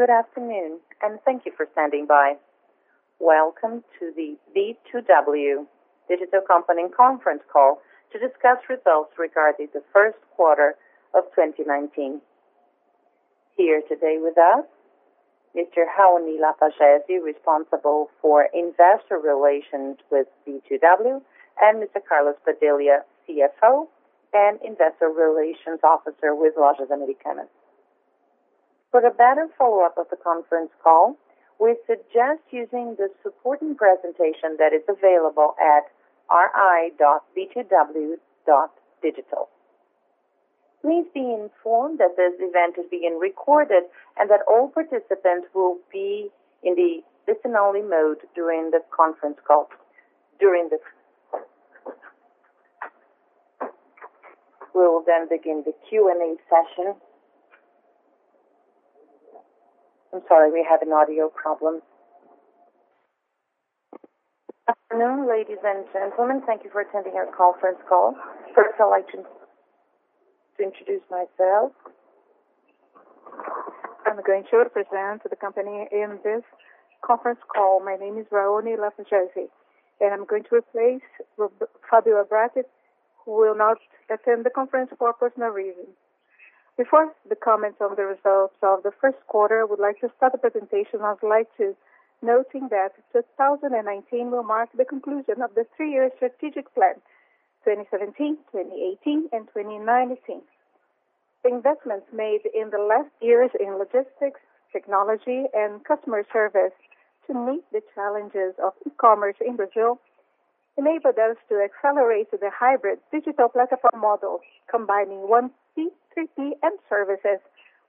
Good afternoon. Thank you for standing by. Welcome to the B2W Digital conference call to discuss results regarding the first quarter of 2019. Here today with us, Mr. Raoni Lapagesse, responsible for Investor Relations with B2W, and Mr. Carlos Padilha, CFO and Investor Relations Officer with Lojas Americanas. For the better follow-up of the conference call, we suggest using the supporting presentation that is available at ri.b2w.digital. Please be informed that this event is being recorded and that all participants will be in the listen-only mode during the conference call. We will begin the Q&A session. I am sorry, we have an audio problem. Good afternoon, ladies and gentlemen. Thank you for attending our conference call. First, I like to introduce myself. I am going to represent the company in this conference call. My name is Raoni Lapagesse, and I am going to replace Fabio Abrate, who will not attend the conference for personal reasons. Before the comments on the results of the first quarter, I would like to start the presentation. I would like to note that 2019 will mark the conclusion of the three-year strategic plan, 2017, 2018, and 2019. The investments made in the last years in logistics, technology, and customer service to meet the challenges of e-commerce in Brazil enabled us to accelerate the hybrid digital platform models, combining 1P, 3P, and services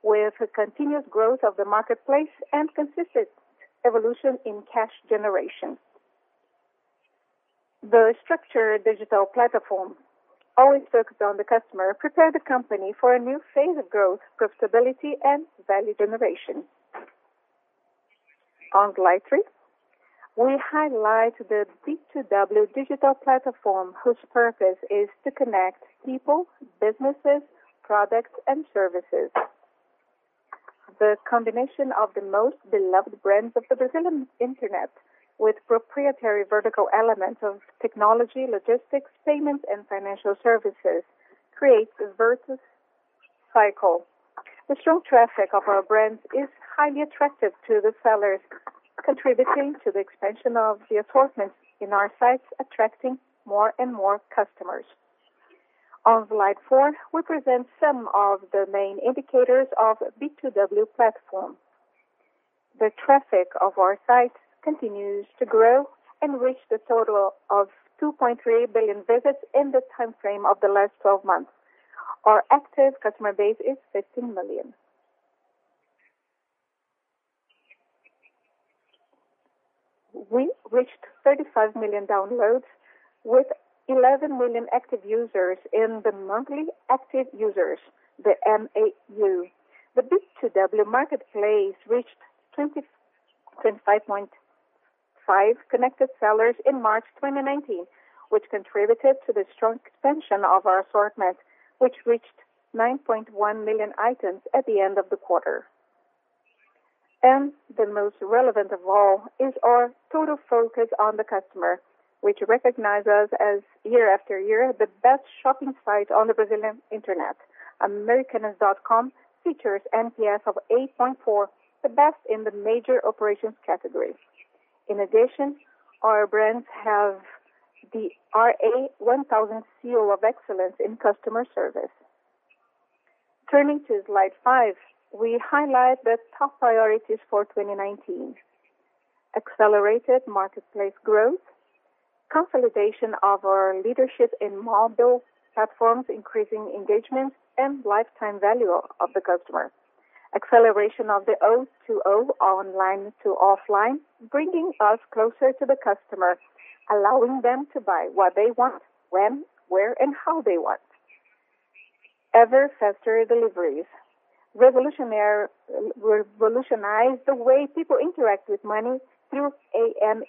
with a continuous growth of the marketplace and consistent evolution in cash generation. The structured digital platform always focused on the customer, prepared the company for a new phase of growth, profitability, and value generation. On slide three, we highlight the B2W Digital platform, whose purpose is to connect people, businesses, products, and services. The combination of the most beloved brands of the Brazilian internet with proprietary vertical elements of technology, logistics, payments, and financial services creates a virtuous cycle. The strong traffic of our brands is highly attractive to the sellers, contributing to the expansion of the assortment in our sites, attracting more and more customers. On slide four, we present some of the main indicators of B2W platform. The traffic of our site continues to grow and reach the total of 2.3 billion visits in the timeframe of the last 12 months. Our active customer base is 15 million. We reached 35 million downloads with 11 million active users in the monthly active users, the MAU. The B2W Marketplace reached 25.5 connected sellers in March 2019, which contributed to the strong expansion of our assortment, which reached 9.1 million items at the end of the quarter. The most relevant of all is our total focus on the customer, which recognizes us as, year after year, the best shopping site on the Brazilian internet. Americanas.com features NPS of 8.4, the best in the major operations category. In addition, our brands have the RA1000 seal of excellence in customer service. Turning to slide five, we highlight the top priorities for 2019. Accelerated marketplace growth. Consolidation of our leadership in mobile platforms, increasing engagement, and lifetime value of the customer. Acceleration of the O2O, online to offline, bringing us closer to the customer, allowing them to buy what they want, when, where, and how they want. Ever faster deliveries. Revolutionize the way people interact with money through Ame.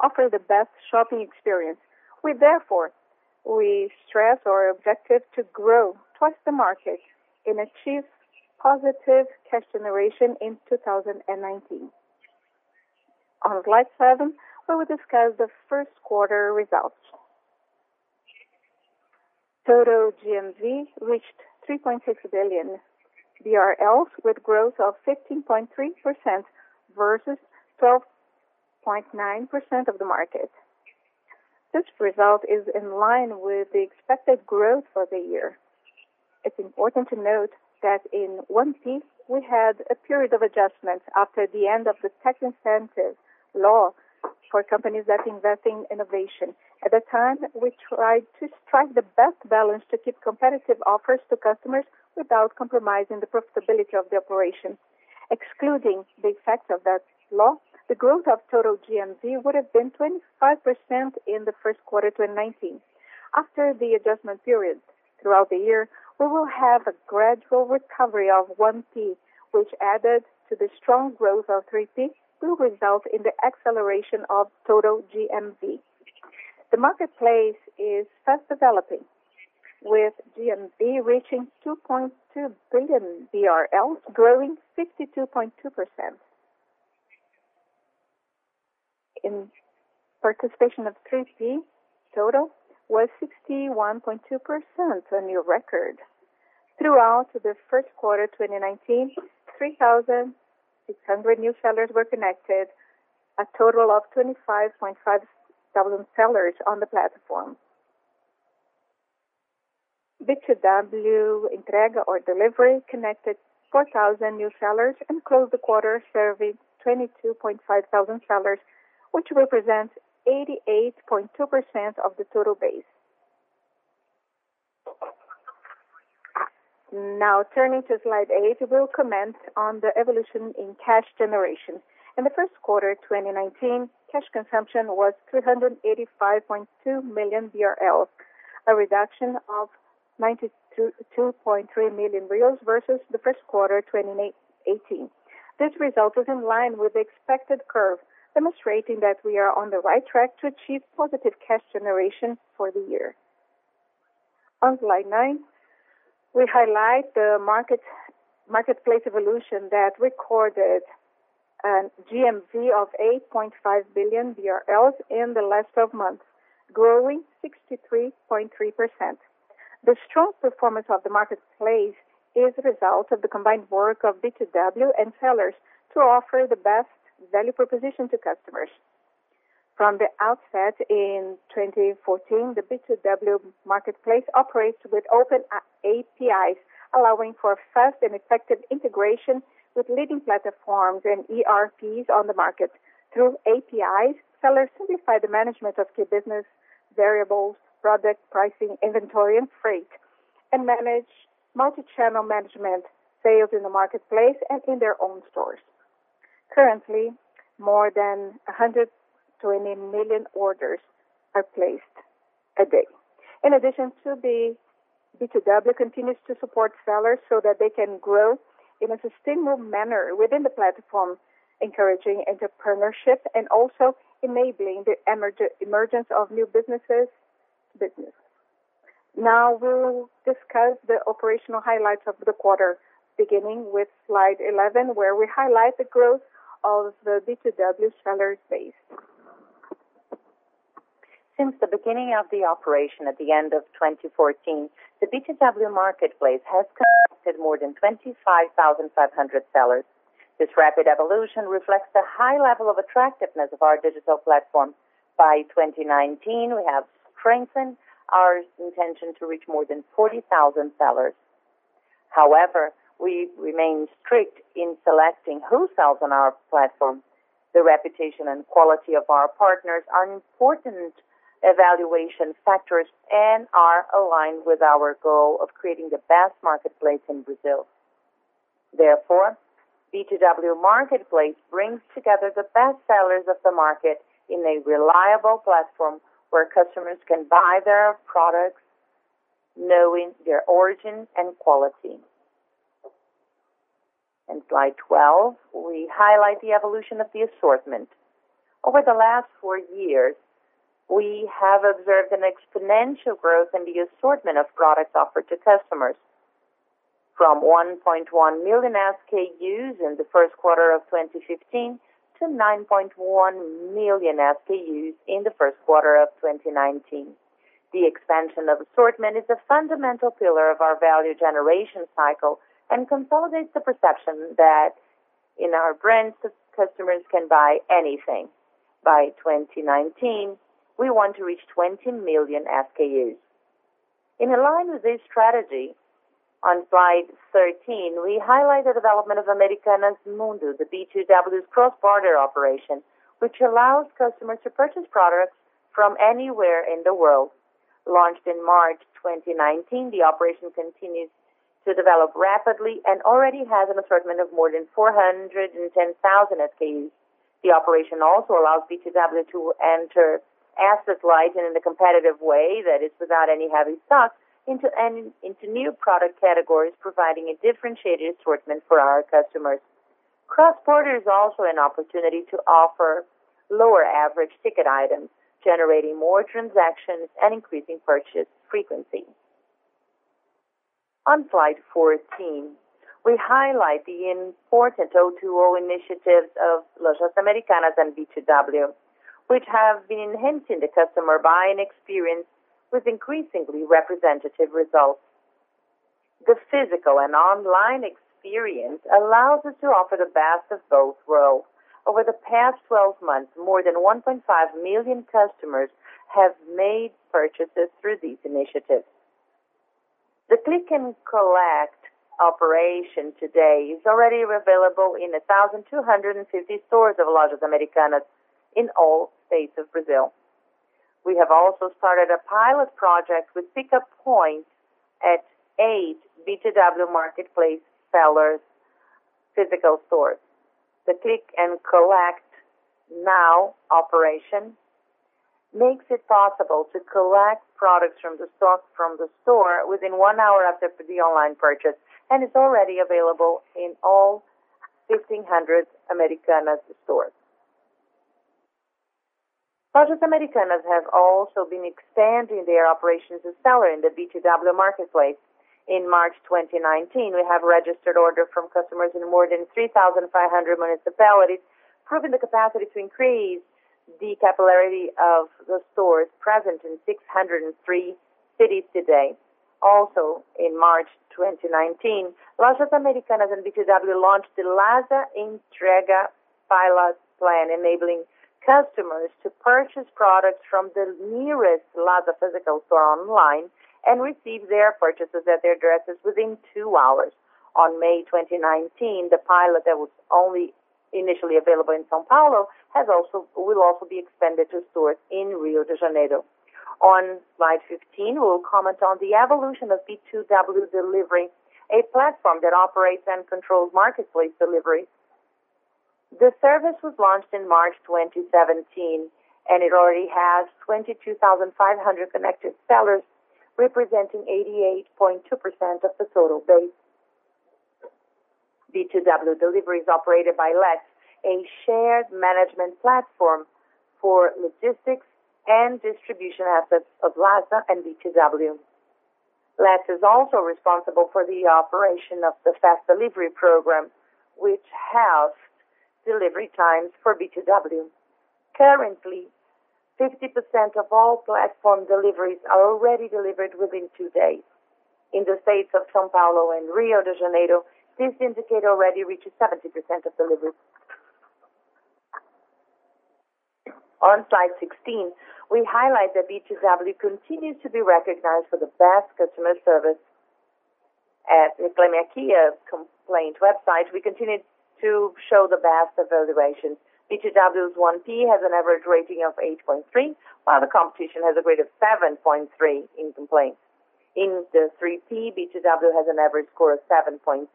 Offer the best shopping experience. We therefore stress our objective to grow twice the market and achieve positive cash generation in 2019. On slide seven, we will discuss the first quarter results. Total GMV reached 3.6 billion BRL, with growth of 15.3% versus 12.9% of the market. This result is in line with the expected growth for the year. It's important to note that in 1P, we had a period of adjustment after the end of the Lei do Bem for companies that invest in innovation. At the time, we tried to strike the best balance to keep competitive offers to customers without compromising the profitability of the operation. Excluding the effect of that law, the growth of total GMV would have been 25% in the first quarter 2019. After the adjustment period. Throughout the year, we will have a gradual recovery of 1P, which added to the strong growth of 3P, will result in the acceleration of total GMV. The marketplace is fast developing, with GMV reaching BRL 2.2 billion, growing 52.2%. Participation of GMV total was 61.2%, a new record. Throughout the first quarter 2019, 3,600 new sellers were connected, a total of 25,500 sellers on the platform. B2W Entrega or Delivery connected 4,000 new sellers and closed the quarter serving 22,500 sellers, which represents 88.2% of the total base. Turning to slide eight, we'll comment on the evolution in cash generation. In the first quarter 2019, cash consumption was 385.2 million BRL, a reduction of 92.3 million reais versus the first quarter 2018. This result was in line with the expected curve, demonstrating that we are on the right track to achieve positive cash generation for the year. On slide nine, we highlight the marketplace evolution that recorded a GMV of 8.5 billion BRL in the last 12 months, growing 63.3%. The strong performance of the marketplace is a result of the combined work of B2W and sellers to offer the best value proposition to customers. From the outset in 2014, the B2W Marketplace operates with open APIs, allowing for fast and effective integration with leading platforms and ERPs on the market. Through APIs, sellers simplify the management of key business variables, product pricing, inventory, and freight, and manage multi-channel management sales in the marketplace and in their own stores. Currently, more than 120 million orders are placed a day. In addition, B2W continues to support sellers so that they can grow in a sustainable manner within the platform, encouraging entrepreneurship and also enabling the emergence of new businesses. Now we'll discuss the operational highlights of the quarter, beginning with slide 11, where we highlight the growth of the B2W seller base. Since the beginning of the operation at the end of 2014, the B2W Marketplace has connected more than 25,500 sellers. This rapid evolution reflects the high level of attractiveness of our digital platform. By 2019, we have strengthened our intention to reach more than 40,000 sellers. However, we remain strict in selecting who sells on our platform. The reputation and quality of our partners are important evaluation factors and are aligned with our goal of creating the best marketplace in Brazil. Therefore, B2W Marketplace brings together the best sellers of the market in a reliable platform where customers can buy their products knowing their origin and quality. In slide 12, we highlight the evolution of the assortment. Over the last four years, we have observed an exponential growth in the assortment of products offered to customers. From 1.1 million SKUs in the first quarter of 2015 to 9.1 million SKUs in the first quarter of 2019. The expansion of assortment is a fundamental pillar of our value generation cycle and consolidates the perception that in our brands, customers can buy anything. By 2019, we want to reach 20 million SKUs. In line with this strategy, on slide 13, we highlight the development of Americanas Mundo, the B2W's cross-border operation, which allows customers to purchase products from anywhere in the world. Launched in March 2019, the operation continues to develop rapidly and already has an assortment of more than 410,000 SKUs. The operation also allows B2W to enter asset-light and in a competitive way that is without any heavy stock into new product categories, providing a differentiated assortment for our customers. Cross-border is also an opportunity to offer lower average ticket items, generating more transactions and increasing purchase frequency. On slide 14, we highlight the important O2O initiatives of Lojas Americanas and B2W, which have been enhancing the customer buying experience with increasingly representative results. The physical and online experience allows us to offer the best of both worlds. Over the past 12 months, more than 1.5 million customers have made purchases through these initiatives. The click and collect operation today is already available in 1,250 stores of Lojas Americanas in all states of Brazil. We have also started a pilot project with pickup points at eight B2W Marketplace sellers' physical stores. The Click and Collect Now operation makes it possible to collect products from the store within one hour after the online purchase, and it's already available in all 1,500 Americanas stores. Lojas Americanas has also been expanding their operations with sellers in the B2W Marketplace. In March 2019, we have registered orders from customers in more than 3,500 municipalities, proving the capacity to increase the capillarity of the stores present in 603 cities today. Also, in March 2019, Lojas Americanas and B2W launched the LASA Entrega pilot plan, enabling customers to purchase products from the nearest LASA physical store online and receive their purchases at their addresses within two hours. On May 2019, the pilot that was only initially available in São Paulo will also be expanded to stores in Rio de Janeiro. On slide 15, we will comment on the evolution of B2W Entrega, a platform that operates and controls marketplace delivery. The service was launched in March 2017, and it already has 22,500 connected sellers, representing 88.2% of the total base. B2W Entrega is operated by LET'S, a shared management platform for logistics and distribution assets of LASA and B2W. LET'S is also responsible for the operation of the Fast Delivery program, which halves delivery times for B2W. Currently, 50% of all platform deliveries are already delivered within two days. In the states of São Paulo and Rio de Janeiro, this indicator already reaches 70% of deliveries. On slide 16, we highlight that B2W continues to be recognized for the best customer service. At Reclame Aqui, a complaint website, we continue to show the best evaluations. B2W's 1P has an average rating of 8.3, while the competition has a grade of 7.3 in complaints. In the 3P, B2W has an average score of 7.6,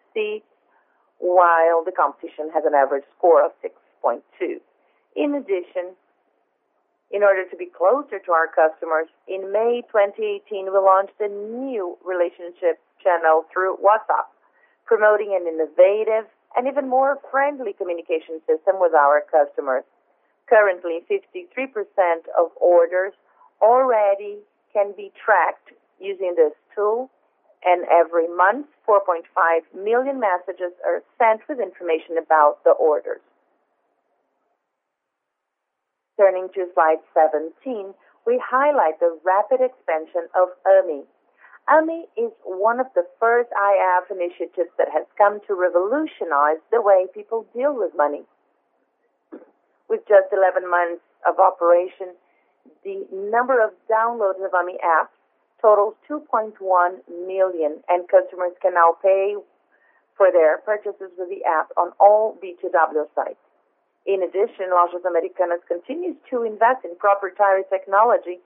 while the competition has an average score of 6.2. In addition, in order to be closer to our customers, in May 2018, we launched a new relationship channel through WhatsApp, promoting an innovative and even more friendly communication system with our customers. Currently, 53% of orders already can be tracked using this tool, and every month, 4.5 million messages are sent with information about the orders. Turning to slide 17, we highlight the rapid expansion of Ame. Ame is one of the first IF initiatives that has come to revolutionize the way people deal with money. With just 11 months of operation, the number of downloads of Ame app totals 2.1 million, and customers can now pay for their purchases with the app on all B2W sites. In addition, Lojas Americanas continues to invest in proprietary technology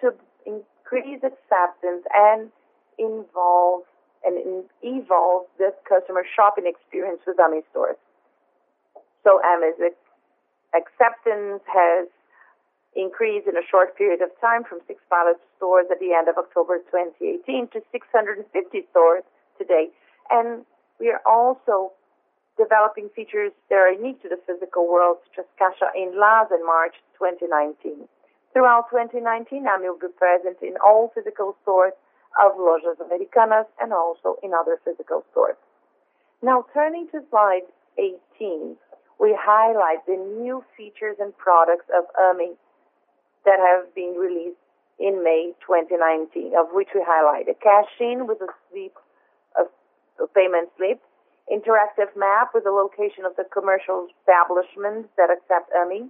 to increase acceptance and evolve the customer shopping experience with Ame stores. Ame's acceptance has increased in a short period of time from six pilot stores at the end of October 2018 to 650 stores today. We are also developing features that are unique to the physical world, such as cash in LASA in March 2019. Throughout 2019, Ame will be present in all physical stores of Lojas Americanas and also in other physical stores. Turning to slide 18, we highlight the new features and products of Ame that have been released in May 2019, of which we highlighted cash in with a payment slip, interactive map with the location of the commercial establishments that accept Ame,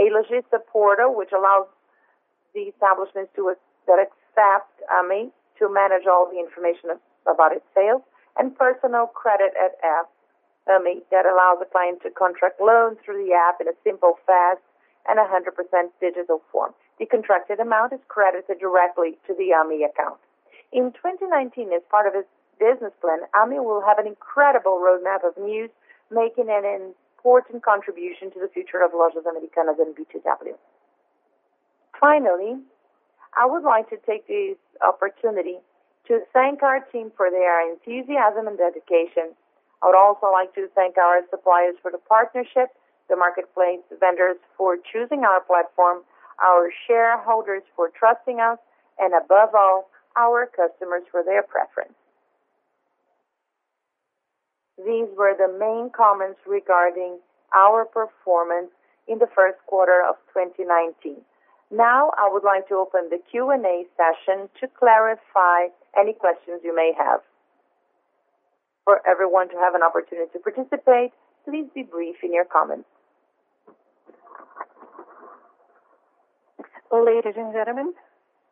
a Loja Suporta, which allows the establishments that accept Ame to manage all the information about its sales, and personal credit at app Ame that allows the client to contract loans through the app in a simple, fast, and 100% digital form. The contracted amount is credited directly to the Ame account. In 2019, as part of its business plan, Ame will have an incredible roadmap of news, making an important contribution to the future of Lojas Americanas and B2W. Finally, I would like to take this opportunity to thank our team for their enthusiasm and dedication. I would also like to thank our suppliers for the partnership, the marketplace vendors for choosing our platform, our shareholders for trusting us, and above all, our customers for their preference. These were the main comments regarding our performance in the first quarter of 2019. I would like to open the Q&A session to clarify any questions you may have. For everyone to have an opportunity to participate, please be brief in your comments. Ladies and gentlemen,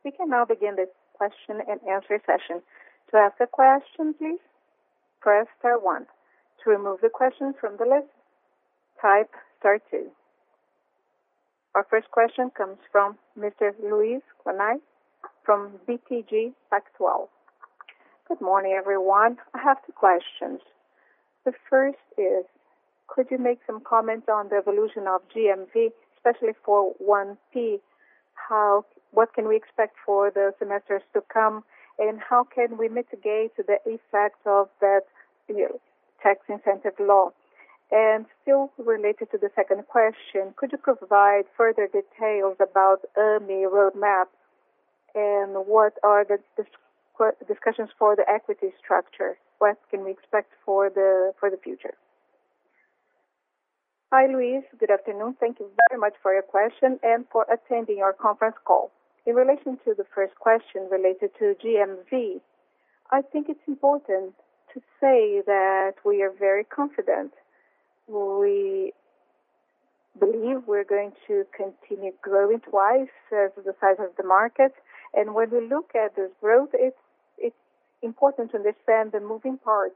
we can now begin the question and answer session. To ask a question, please press star one. To remove the question from the list, type star two. Our first question comes from Mr. Luis Quinan from BTG Pactual. Good morning, everyone. I have two questions. The first is, could you make some comments on the evolution of GMV, especially for 1P What can we expect for the semesters to come, how can we mitigate the effects of that tax incentive law? Still related to the second question, could you provide further details about Ame roadmap and what are the discussions for the equity structure? What can we expect for the future? Hi, Luis. Good afternoon. Thank you very much for your question and for attending our conference call. In relation to the first question related to GMV, I think it's important to say that we are very confident. We believe we're going to continue growing twice the size of the market. When we look at this growth, it's important to understand the moving parts.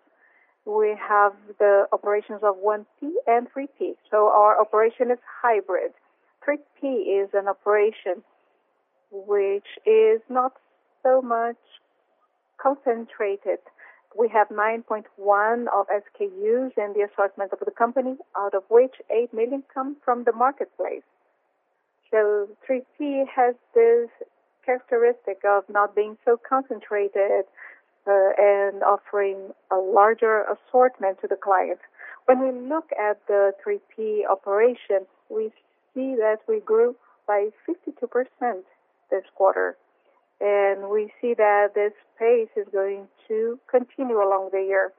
We have the operations of 1P and 3P. Our operation is hybrid. 3P is an operation which is not so much concentrated. We have 9.1 of SKUs in the assortment of the company, out of which 8 million come from the marketplace. 3P has this characteristic of not being so concentrated, offering a larger assortment to the clients. When we look at the 3P operation, we see that we grew by 52% this quarter. We see that this pace is going to continue along the year.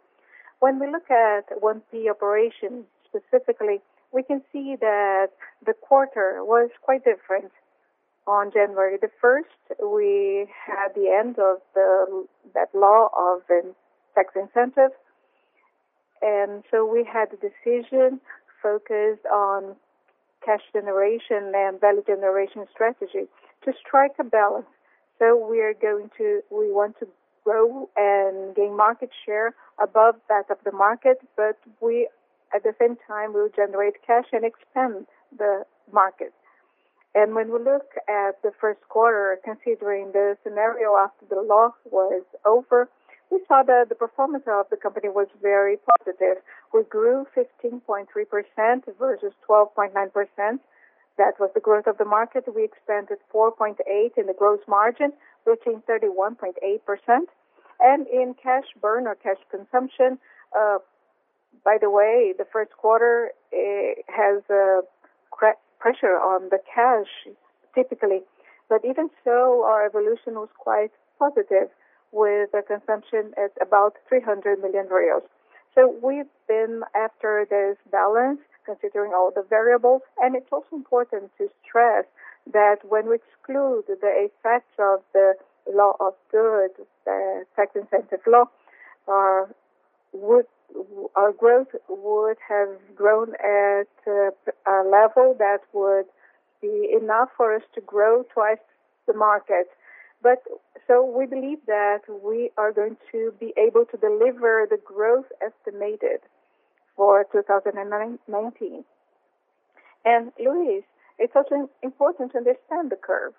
When we look at 1P operations specifically, we can see that the quarter was quite different. On January the 1st, we had the end of that law of tax incentive. We had a decision focused on cash generation and value generation strategy to strike a balance. We want to grow and gain market share above that of the market, but we, at the same time, will generate cash and expand the market. When we look at the first quarter, considering the scenario after the law was over, we saw that the performance of the company was very positive. We grew 15.3% versus 12.9%. That was the growth of the market. We expanded 4.8 in the gross margin, reaching 31.8%. In cash burn or cash consumption. By the way, the first quarter has a pressure on the cash, typically. Even so, our evolution was quite positive, with the consumption at about 300 million. We've been after this balance considering all the variables, it's also important to stress that when we exclude the effect of the law of goods, the tax incentive law, our growth would have grown at a level that would be enough for us to grow twice the market. We believe that we are going to be able to deliver the growth estimated for 2019. Luis, it's also important to understand the curve.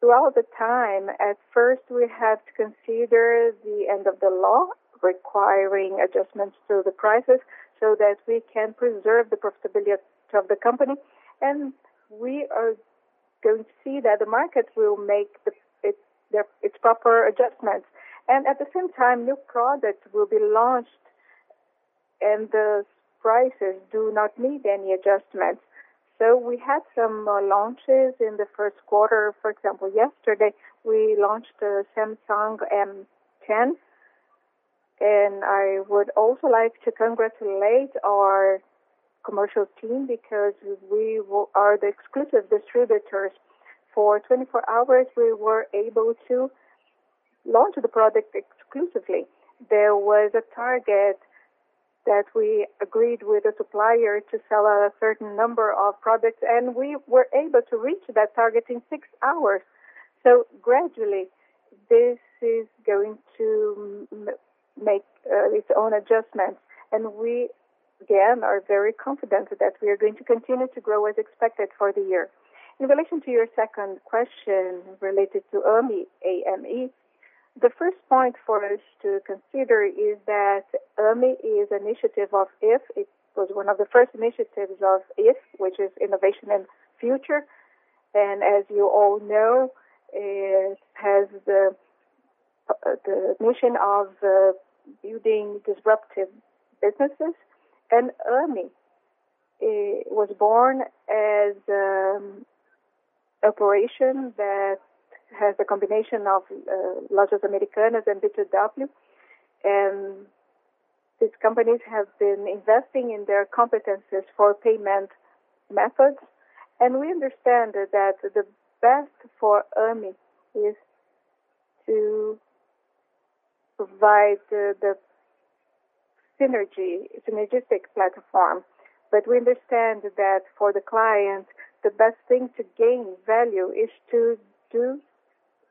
Throughout the time, at first, we have to consider the end of the law requiring adjustments to the prices so that we can preserve the profitability of the company. We are going to see that the market will make its proper adjustments. At the same time, new products will be launched and the prices do not need any adjustments. We had some launches in the first quarter. For example, yesterday we launched the Samsung M10. I would also like to congratulate our commercial team because we are the exclusive distributors. For 24 hours, we were able to launch the product exclusively. There was a target that we agreed with the supplier to sell a certain number of products, and we were able to reach that target in six hours. Gradually, this is going to make its own adjustments. We, again, are very confident that we are going to continue to grow as expected for the year. In relation to your second question related to Ame the first point for us to consider is that Ame is initiative of IF. It was one of the first initiatives of IF, which is Innovation and Future. As you all know, it has the mission of building disruptive businesses. Ame was born as an operation that has a combination of Lojas Americanas and B2W. These companies have been investing in their competencies for payment methods. We understand that the best for Ame is to provide the synergy. It's a logistics platform. We understand that for the client, the best thing to gain value is to do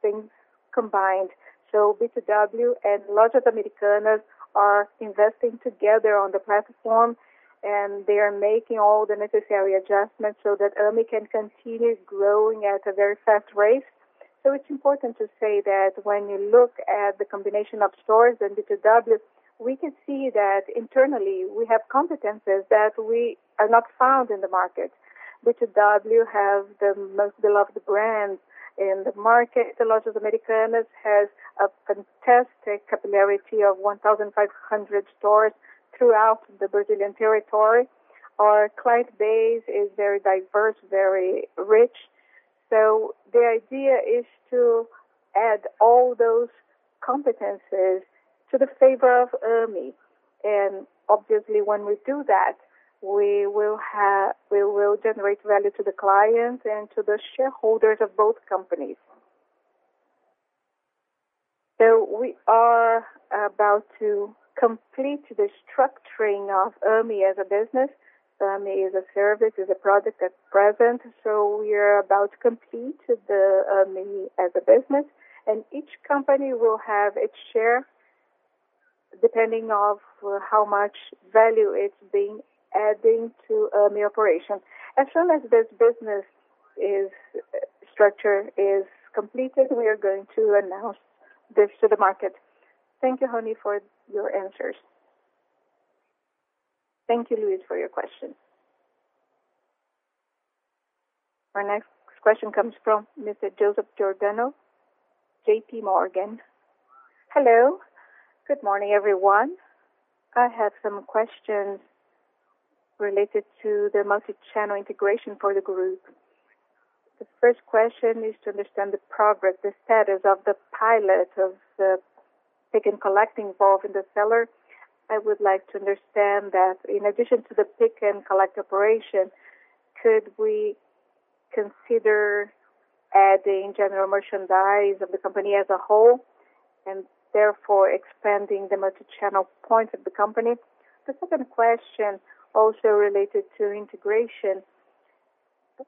things combined. B2W and Lojas Americanas are investing together on the platform, and they are making all the necessary adjustments so that Ame can continue growing at a very fast rate. It's important to say that when you look at the combination of stores and B2W, we can see that internally we have competencies that are not found in the market. B2W have the most beloved brands in the market. Lojas Americanas has a fantastic capillarity of 1,500 stores throughout the Brazilian territory. Our client base is very diverse, very rich. The idea is to add all those competencies to the favor of Ame. Obviously when we do that, we will generate value to the clients and to the shareholders of both companies. We are about to complete the structuring of Ame as a business. Ame as a service, as a product at present. We are about to complete Ame as a business, and each company will have its share depending on how much value it's been adding to Ame operation. As soon as this business structure is completed, we are going to announce this to the market. Thank you, Raoni, for your answers. Thank you, Luis, for your question. Our next question comes from Mr. Joseph Giordano, JPMorgan. Hello. Good morning, everyone. I have some questions related to the multi-channel integration for the group. The first question is to understand the progress, the status of the pilot of the click and collect involved in the seller. I would like to understand that in addition to the click and collect operation, could we consider adding general merchandise of the company as a whole and therefore expanding the multi-channel point of the company? The second question, also related to integration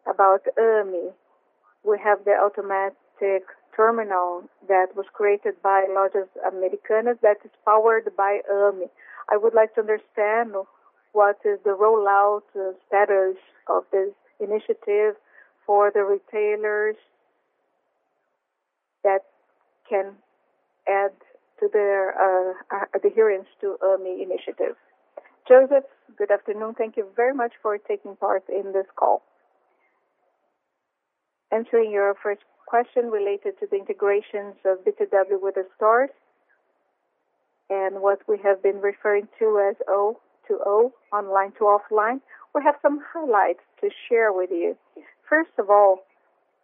about Ame. We have the automatic terminal that was created by Lojas Americanas that is powered by Ame. I would like to understand what is the rollout status of this initiative for the retailers that can add to their adherence to Ame initiative. Joseph, good afternoon. Thank you very much for taking part in this call. Answering your first question related to the integrations of B2W with the stores and what we have been referring to as O2O, online to offline. We have some highlights to share with you. First of all,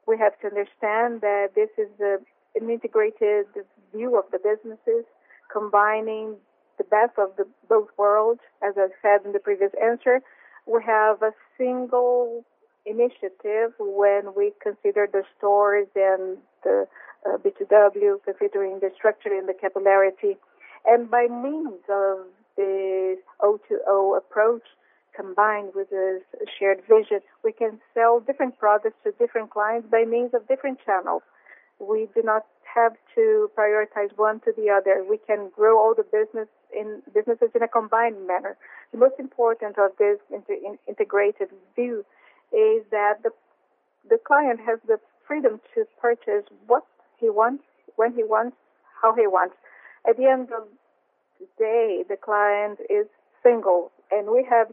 we have to understand that this is an integrated view of the businesses combining the best of both worlds. As I said in the previous answer, we have a single initiative when we consider the stores and the B2W, considering the structure and the capillarity. By means of the O2O approach, combined with the shared vision, we can sell different products to different clients by means of different channels. We do not have to prioritize one to the other. We can grow all the businesses in a combined manner. The most important of this integrated view is that the client has the freedom to purchase what he wants, when he wants, how he wants. At the end of the day, the client is single, and we have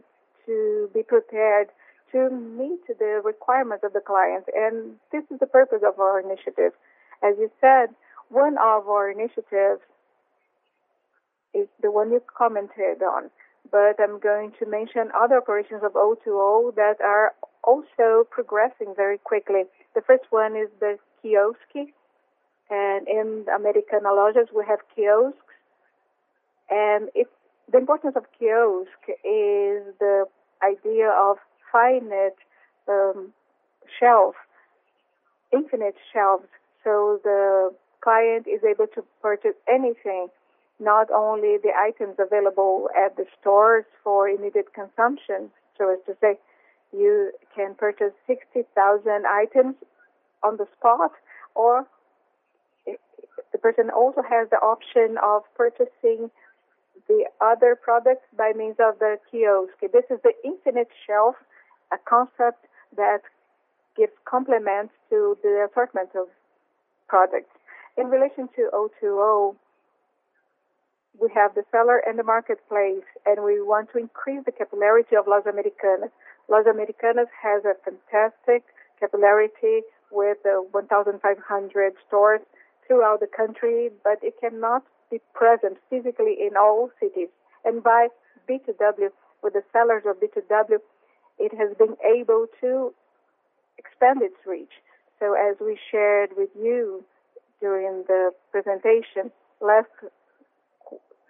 to be prepared to meet the requirements of the client. This is the purpose of our initiative. As you said, one of our initiatives is the one you commented on, but I'm going to mention other operations of O2O that are also progressing very quickly. The first one is the quiosque. In Americanas Lojas, we have kiosks. The importance of kiosk is the idea of finite shelf, infinite shelves. The client is able to purchase anything, not only the items available at the stores for immediate consumption. As to say, you can purchase 60,000 items on the spot, or the person also has the option of purchasing the other products by means of the kiosk. This is the infinite shelf, a concept that gives compliments to the assortment of products. In relation to O2O, we have the seller and the marketplace, and we want to increase the capillarity of Lojas Americanas. Lojas Americanas has a fantastic capillarity with 1,500 stores throughout the country, but it cannot be present physically in all cities. By B2W, with the sellers of B2W, it has been able to expand its reach. As we shared with you during the presentation, last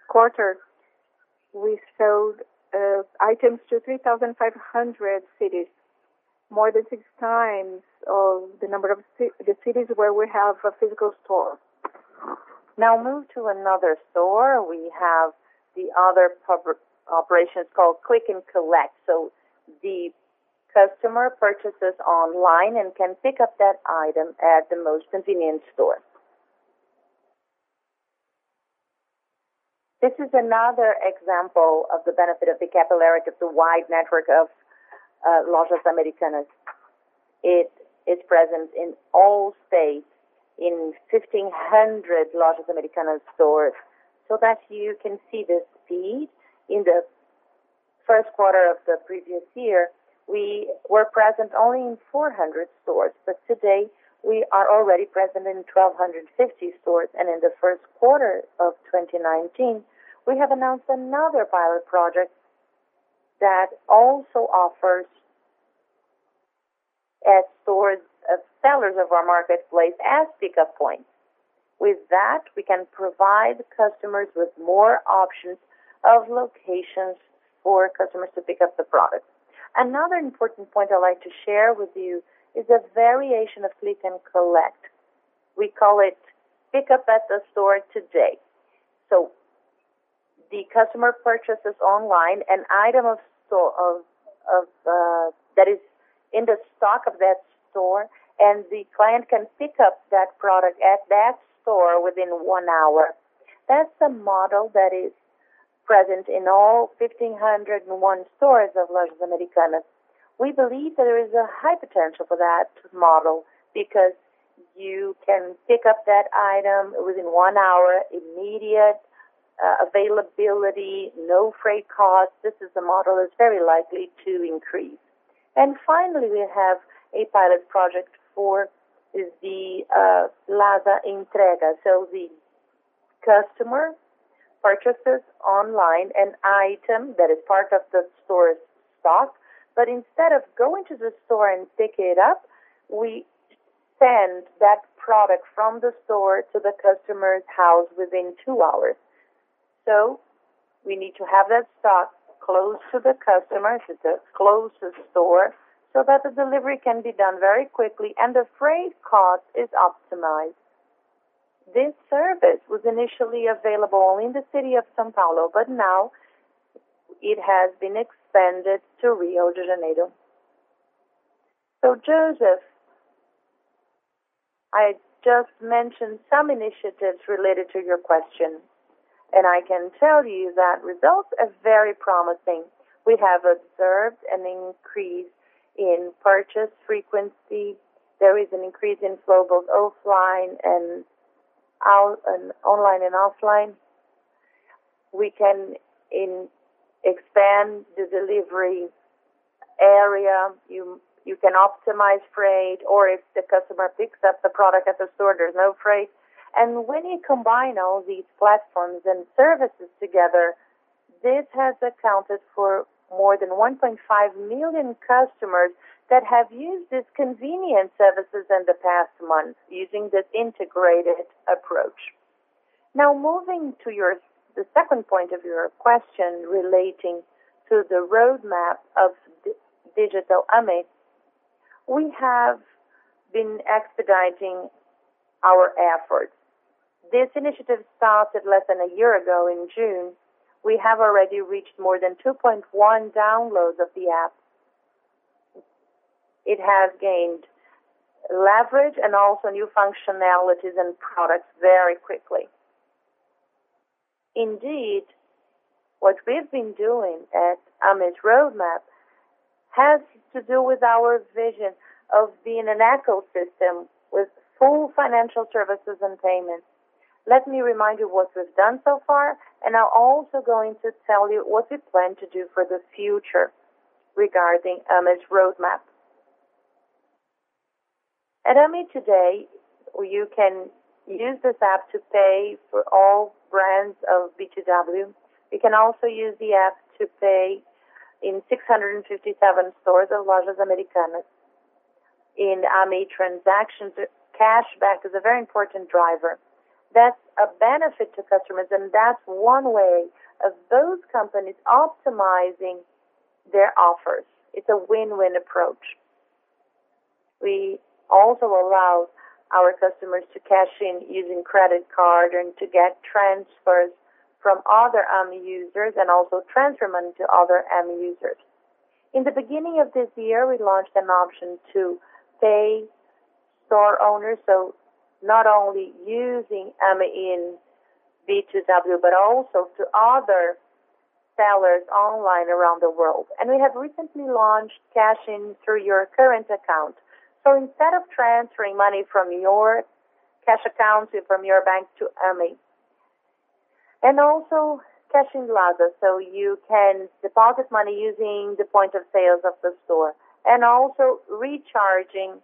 quarter, we sold items to 3,500 cities, more than six times of the number of the cities where we have a physical store. Now move to another store. We have the other operation. It's called click and collect. The customer purchases online and can pick up that item at the most convenient store. This is another example of the benefit of the capillarity of the wide network of Lojas Americanas. It is present in all states in 1,500 Lojas Americanas stores, so that you can see the speed. In the first quarter of the previous year, we were present only in 400 stores, but today we are already present in 1,250 stores. In the first quarter of 2019, we have announced another pilot project that also offers at stores of sellers of our marketplace as pickup points. With that, we can provide customers with more options of locations for customers to pick up the product. Another important point I'd like to share with you is a variation of click and collect. We call it pickup at the store today. The customer purchases online an item that is in the stock of that store, and the client can pick up that product at that store within one hour. That's a model that is present in all 1,501 stores of Lojas Americanas. We believe there is a high potential for that model because you can pick up that item within one hour, immediate availability, no freight cost. This is a model that's very likely to increase. Finally, we have a pilot project for the LASA Entrega. The customer purchases online an item that is part of the store's stock. Instead of going to the store and pick it up, we send that product from the store to the customer's house within two hours. We need to have that stock close to the customer, close to the store, so that the delivery can be done very quickly and the freight cost is optimized. This service was initially available in the city of São Paulo, but now it has been expanded to Rio de Janeiro. Joseph, I just mentioned some initiatives related to your question, and I can tell you that results are very promising. We have observed an increase in purchase frequency. There is an increase in flow both online and offline. We can expand the delivery area. You can optimize freight, or if the customer picks up the product at the store, there's no freight. When you combine all these platforms and services together, this has accounted for more than 1.5 million customers that have used these convenient services in the past month using this integrated approach. Now, moving to the second point of your question relating to the roadmap of Digital Ame, we have been expediting our efforts. This initiative started less than a year ago in June. We have already reached more than 2.1 downloads of the app. It has gained leverage and also new functionalities and products very quickly. Indeed, what we've been doing at Ame's roadmap has to do with our vision of being an ecosystem with full financial services and payments. Let me remind you what we've done so far, and I'm also going to tell you what we plan to do for the future regarding Ame's roadmap. At Ame today, you can use this app to pay for all brands of B2W. You can also use the app to pay in 657 stores of Lojas Americanas. In Ame transactions, cashback is a very important driver. That's a benefit to customers, that's one way of those companies optimizing their offers. It's a win-win approach. We also allow our customers to cash in using credit card and to get transfers from other Ame users and also transfer money to other Ame users. In the beginning of this year, we launched an option to pay store owners, not only using Ame in B2W, but also to other sellers online around the world. We have recently launched cash in through your current account. Instead of transferring money from your cash account from your bank to Ame, and also cash in LASA. You can deposit money using the point of sales of the store, and also recharging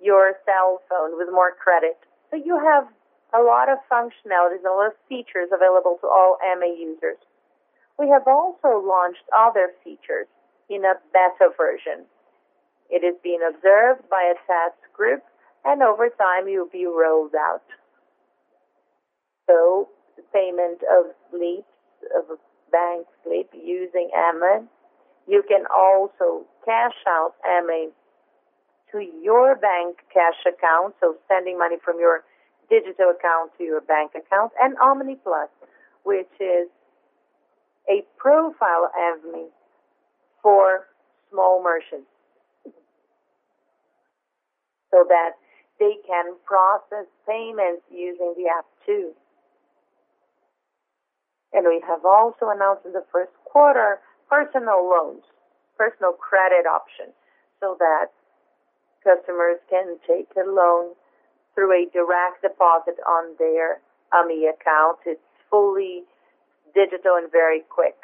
your cell phone with more credit. You have a lot of functionalities, a lot of features available to all Ame users. We have also launched other features in a better version. It is being observed by a task group, over time, it will be rolled out. Payment of bank slip using Ame. You can also cash out Ame to your bank cash account, sending money from your digital account to your bank account. Ame Plus, which is a profile Ame for small merchants. So that they can process payments using the app too. We have also announced in the first quarter, personal loans, personal credit options, that customers can take a loan through a direct deposit on their Ame account. It's fully digital and very quick.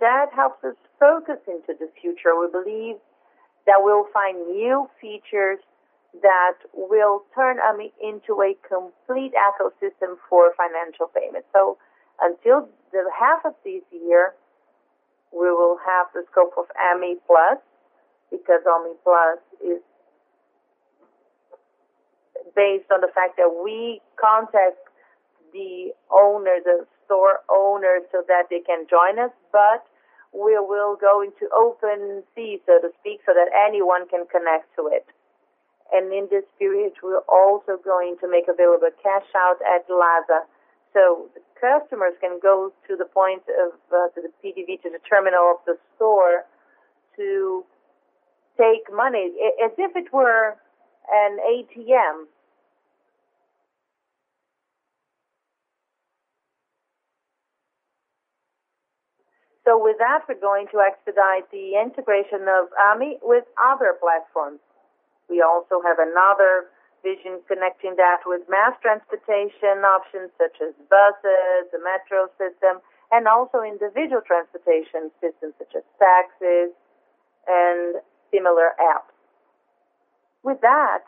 That helps us focus into the future. We believe that we'll find new features that will turn Ame into a complete ecosystem for financial payment. Until the half of this year, we will have the scope of Ame Plus, because Ame Plus is based on the fact that we contact the store owners that they can join us. We will go into open season, so to speak, that anyone can connect to it. In this period, we're also going to make available cash out at LASA. The customers can go to the point of the PDV, to the terminal of the store, to take money as if it were an ATM. With that, we're going to expedite the integration of Ame with other platforms. We also have another vision connecting that with mass transportation options such as buses, the metro system, and also individual transportation systems such as taxis and similar apps. With that,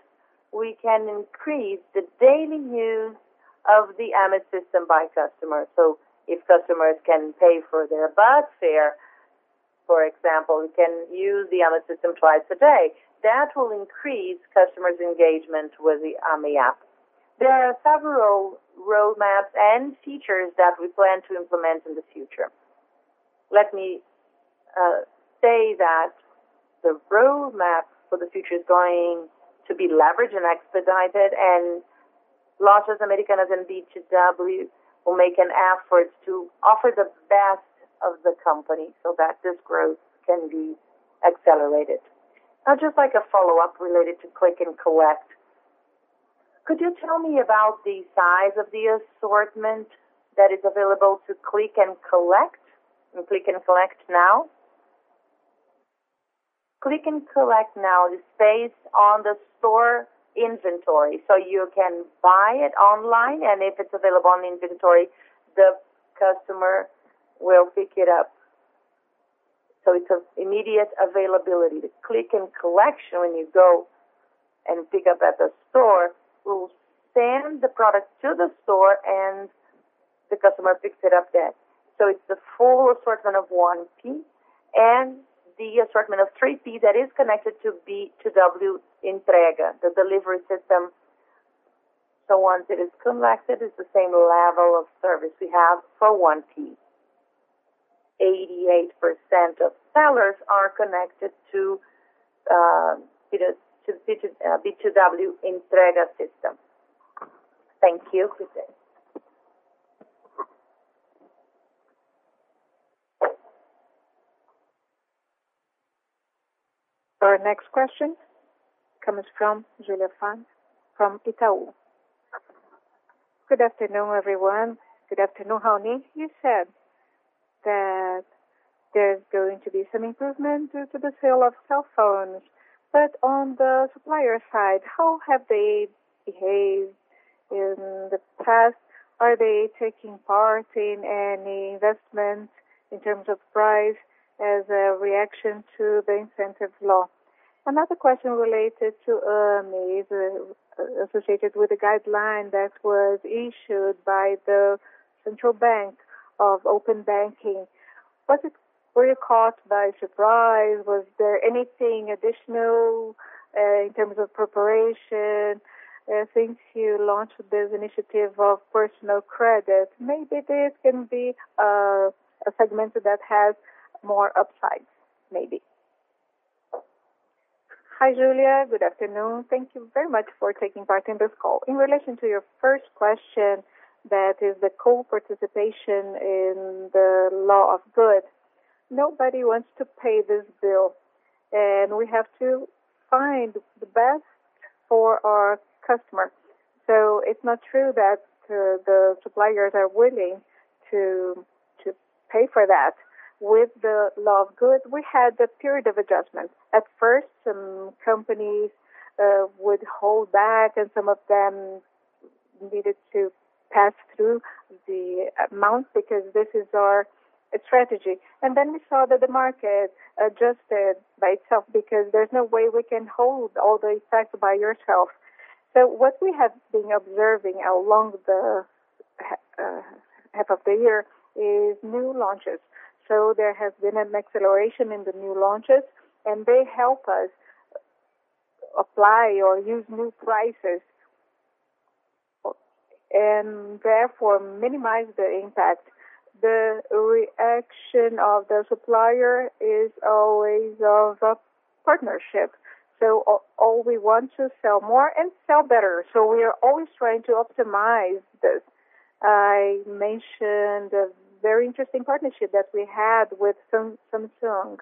we can increase the daily use of the Ame system by customers. If customers can pay for their bus fare, for example, they can use the Ame system twice a day. That will increase customers' engagement with the Ame app. There are several roadmaps and features that we plan to implement in the future. Let me say that the roadmap for the future is going to be leveraged and expedited, Lojas Americanas and B2W will make an effort to offer the best of the company so that this growth can be accelerated. Just like a follow-up related to click and collect. Could you tell me about the size of the assortment that is available to click and collect, and click and collect now? Click and collect now is based on the store inventory. You can buy it online, and if it's available on the inventory, the customer will pick it up. It's of immediate availability. Click and Collection, when you go and pick up at the store, we'll send the product to the store and the customer picks it up there. It's the full assortment of 1P and the assortment of 3P that is connected to B2W Entrega, the delivery system. Once it is collected, it's the same level of service we have for 1P. 88% of sellers are connected to B2W Entrega system. Thank you, as a reaction to the Lei do Bem? Another question related to Ame is associated with the guideline that was issued by the Central Bank of Open Banking. Were you caught by surprise? Was there anything additional, in terms of preparation since you launched this initiative of personal credit? Maybe this can be a segment that has more upsides. There has been an acceleration in the new launches, and they help us apply or use new prices, and therefore minimize the impact. The reaction of the supplier is always of a partnership. All we want to sell more and sell better. We are always trying to optimize this. I mentioned a very interesting partnership that we had with Samsung.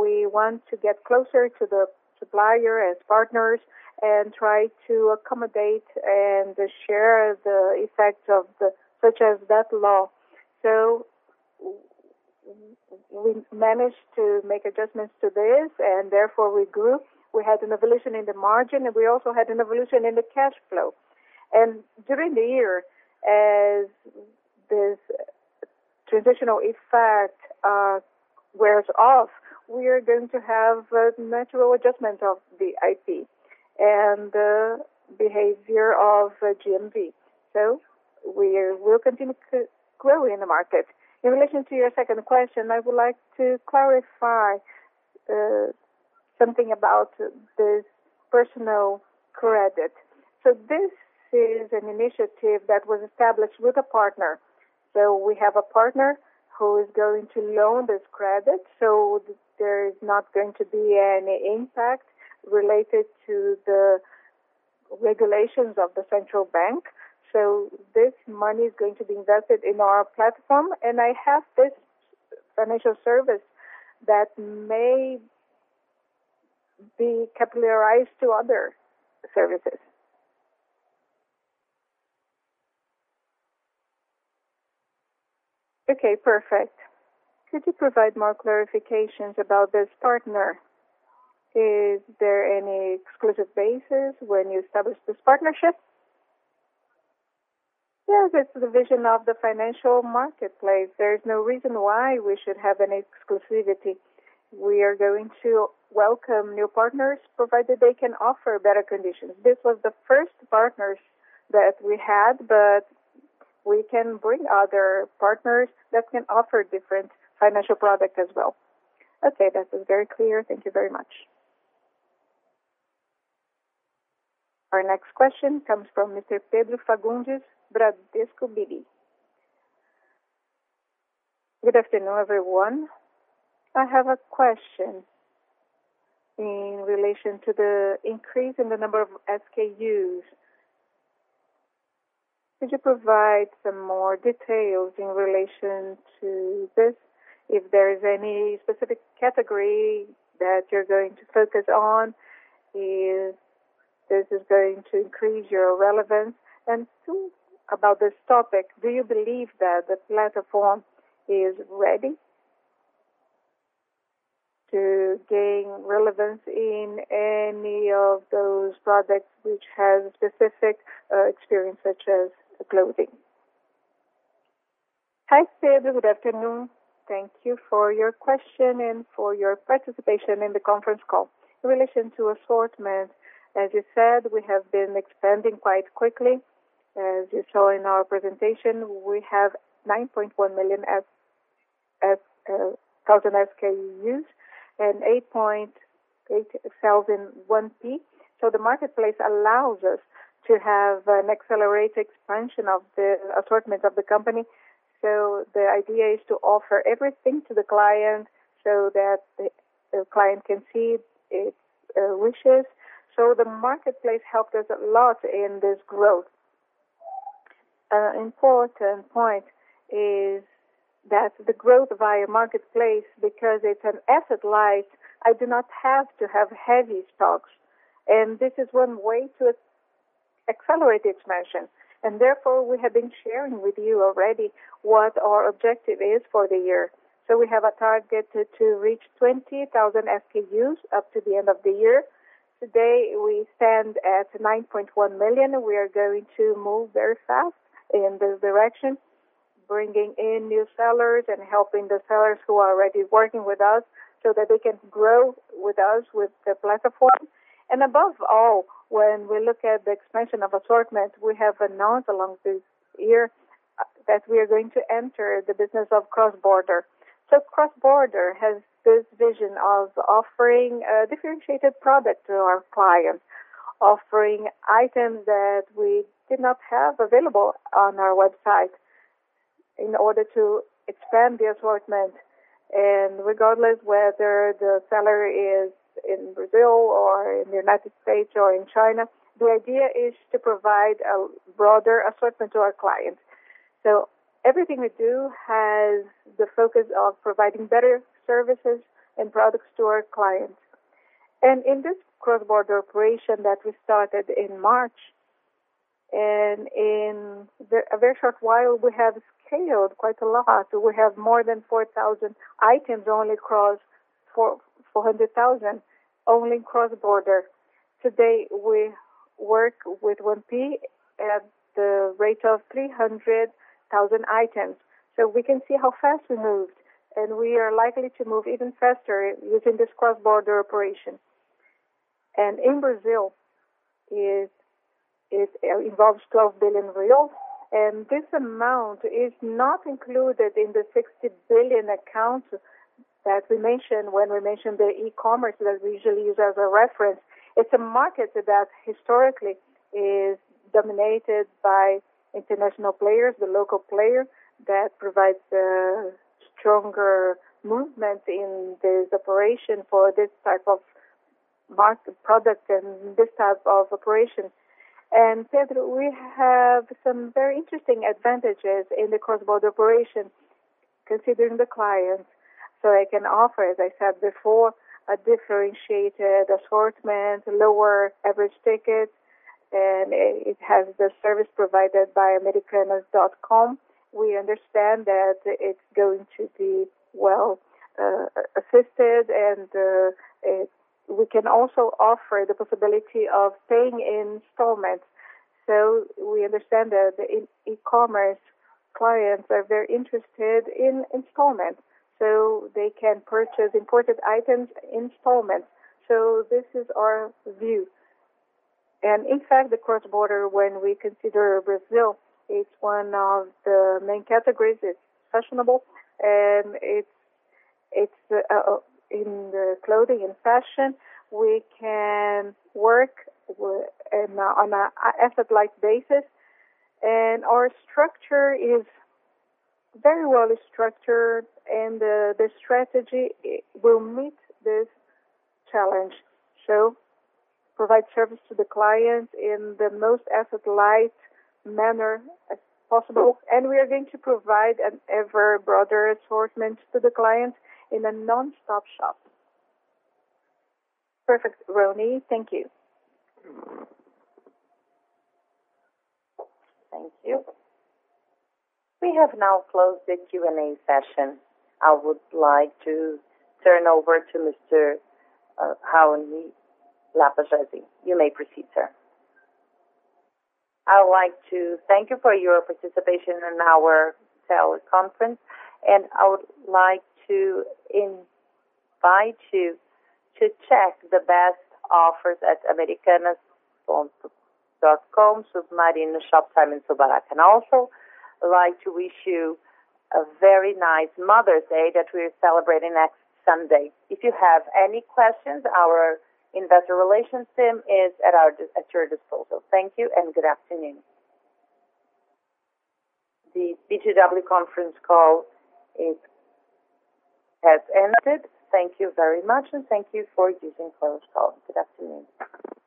We want to get closer to the supplier as partners and try to accommodate and share the effect, such as that law. We managed to make adjustments to this, and therefore we grew. We had an evolution in the margin, and we also had an evolution in the cash flow. During the year, as this transitional effect wears off, we are going to have a natural adjustment of the IF and the behavior of GMV. In relation to your second question, I would like to clarify something about this personal credit. This is an initiative that was established with a partner. We have a partner who is going to loan this credit. There is not going to be any impact related to the regulations of the Central Bank. This money is going to be invested in our platform, and I have this financial service that may be capitalized to other services. Okay, perfect. Could you provide more clarifications about this partner? Is there any exclusive basis when you established this partnership? Yes, it's the vision of the financial marketplace. There is no reason why we should have an exclusivity. We are going to welcome new partners, provided they can offer better conditions. This was the first partners that we had, but we can bring other partners that can offer different financial product as well. Okay, that is very clear. Thank you very much. Our next question comes from Mr. Pedro Fagundes, Bradesco BBI. Good afternoon, everyone. I have a question in relation to the increase in the number of SKUs. Could you provide some more details in relation to this? If there is any specific category that you're going to focus on, is this is going to increase your relevance? Two, about this topic, do you believe that the platform is ready to gain relevance in any of those products which have specific experience, such as clothing? Hi, Pedro. Good afternoon. Thank you for your question and for your participation in the conference call. In relation to assortment, as you said, we have been expanding quite quickly. As you saw in our presentation, we have 9.1 million thousand SKUs and 8,000 1P. The marketplace allows us to have an accelerated expansion of the assortment of the company. The idea is to offer everything to the client so that the client can see its wishes. The marketplace helped us a lot in this growth. Important point is that the growth via marketplace, because it's an asset-light, I do not have to have heavy stocks. This is one way to accelerate expansion. Therefore, we have been sharing with you already what our objective is for the year. We have a target to reach 20,000 SKUs up to the end of the year. Today, we stand at 9.1 million. We are going to move very fast in this direction, bringing in new sellers and helping the sellers who are already working with us so that they can grow with us with the platform. Above all, when we look at the expansion of assortment, we have announced along this year that we are going to enter the business of cross-border. Cross-border has this vision of offering a differentiated product to our clients. Offering items that we did not have available on our website in order to expand the assortment. Regardless whether the seller is in Brazil or in the United States or in China, the idea is to provide a broader assortment to our clients. Everything we do has the focus of providing better services and products to our clients. In this cross-border operation that we started in March, in a very short while, we have scaled quite a lot. We have more than 400,000 items only cross-border. Today, we work with 1P at the rate of 300,000 items. We can see how fast we moved, and we are likely to move even faster using this cross-border operation. In Brazil, it involves 12 billion real, this amount is not included in the 60 billion account that we mentioned when we mentioned the e-commerce that we usually use as a reference. It's a market that historically is dominated by international players, the local player that provides a stronger movement in this operation for this type of product and this type of operation. Pedro, we have some very interesting advantages in the cross-border operation considering the clients. I can offer, as I said before, a differentiated assortment, lower average ticket, and it has the service provided by americanas.com. We understand that it's going to be well-assisted, and we can also offer the possibility of paying in installments. We understand that e-commerce clients are very interested in installments, so they can purchase imported items in installments. This is our view. In fact, the cross-border, when we consider Brazil, it's one of the main categories. It's fashionable and it's in the clothing and fashion. We can work on an asset-light basis, our structure is very well-structured, the strategy will meet this challenge. Provide service to the client in the most asset-light manner as possible. We are going to provide an ever broader assortment to the client in a non-stop shop. Perfect, Raoni. Thank you. Thank you. We have now closed the Q&A session. I would like to turn over to Mr. Raoni Lapagesse. You may proceed, sir. I would like to thank you for your participation in our teleconference, and I would like to invite you to check the best offers at americanas.com. It's my in the shop time. I can also like to wish you a very nice Mother's Day that we are celebrating next Sunday. If you have any questions, our investor relations team is at your disposal. Thank you and good afternoon. The B2W conference call has ended. Thank you very much, and thank you for using conference call. Good afternoon.